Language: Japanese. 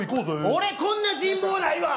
俺こんな人望ないわ！